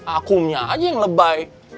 akumnya aja yang lebay